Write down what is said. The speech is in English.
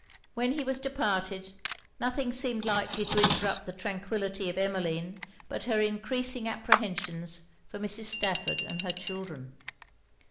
When he was departed, nothing seemed likely to interrupt the tranquillity of Emmeline but her encreasing apprehensions for Mrs. Stafford and her children.